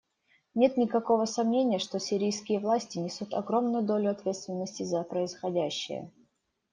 Нет никакого сомнения, что сирийские власти несут огромную долю ответственности за происходящее.